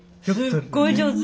すっごい上手。